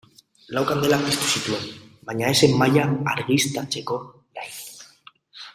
Lau kandela piztu zituen baina ez zen mahaia argiztatzeko lain.